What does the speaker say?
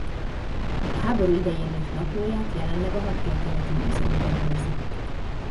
A háború idején írt naplóját jelenleg a Hadtörténeti Múzeumban őrzik.